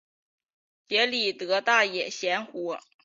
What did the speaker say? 杰里德大盐湖。